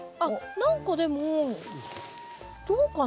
何かでもどうかな？